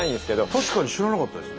確かに知らなかったです。